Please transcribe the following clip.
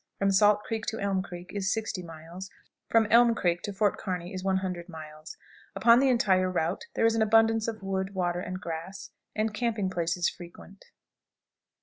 From Salt Creek to Elm Creek is.......... 60 " From Elm Creek to Fort Kearney is........ 100 " Upon the entire route there is an abundance of wood, water, and grass, and camping places frequent.